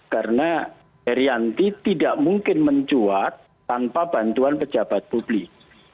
karena heriantik tidak mungkin menjuat tanpa bantuan pejabat publik